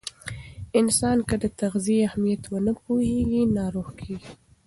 انسان که د تغذیې اهمیت ونه پوهیږي، ناروغ کیږي.